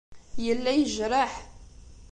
Yella yejreḥ.